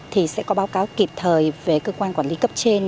thì sẽ có báo cáo kịp thời về cơ quan quản lý cấp trên